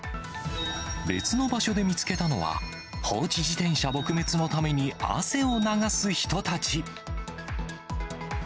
別の場所で見つけたのは、放置自転車撲滅のために汗を流す人たち。